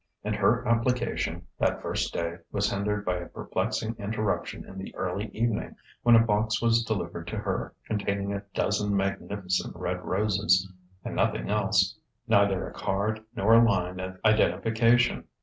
And her application, that first day, was hindered by a perplexing interruption in the early evening, when a box was delivered to her containing a dozen magnificent red roses and nothing else neither a card nor a line of identification.